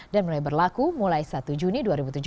dan mulai berlaku mulai satu juni dua ribu tujuh belas